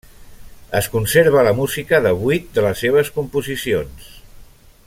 Es conserva la música de vuit de les seves composicions.